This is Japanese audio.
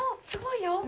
すごいよ。